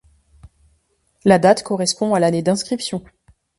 La date correspond à l'année d'inscription.